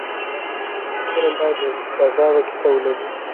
فلم باید جذابه کیسه ولري